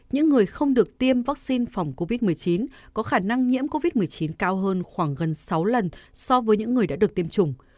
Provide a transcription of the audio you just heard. những người không được tiêm vaccine phòng covid một mươi chín có khả năng nhiễm covid một mươi chín cao hơn khoảng gần sáu lần so với những người đã được tiêm chủng